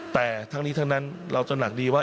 แต่ทั้งนี้ทั้งนั้นเราตระหนักดีว่า